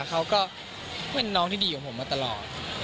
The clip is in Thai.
เขาก็เป็นน้องที่ดีกว่าผมมาตลอด